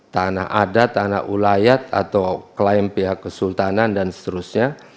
tanah adat tanah ulayat atau klaim pihak kesultanan dan seterusnya